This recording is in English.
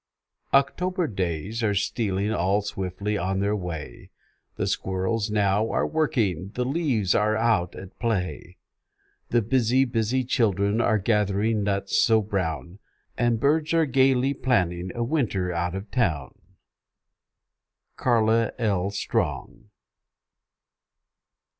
October days are stealing All swiftly on their way; The squirrels now are working, The leaves are out at play; The busy, busy children Are gathering nuts so brown, And birds are gaily planning A winter out of town. CLARA L. STRONG.